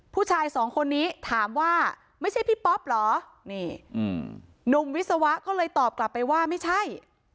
ผู้ชายสองคนนี้ถามว่าไม่ใช่พี่ป๊อปเหรอนี่หนุ่มวิศวะก็เลยตอบกลับไปว่าไม่ใช่